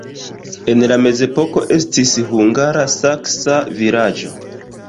En la mezepoko estis hungara-saksa vilaĝo.